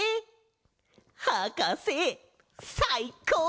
はかせさいこう！